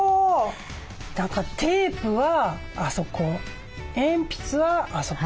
何かテープはあそこ鉛筆はあそこ。